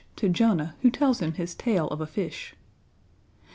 To =J=onah, who tells him his tale of a fish.